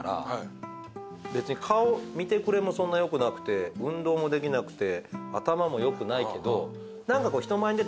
別に見てくれもそんな良くなくて運動もできなくて頭も良くないけど。